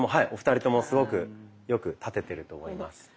お二人ともすごくよく立ててると思います。